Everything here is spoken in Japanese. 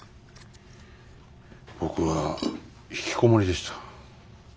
僕はひきこもりでした。